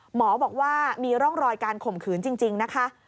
หมอบอกว่ามีร่องรอยการข่มขืนจริงนะคะ